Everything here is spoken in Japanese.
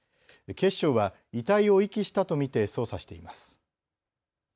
警視庁は遺体を遺棄したと見て捜査しています。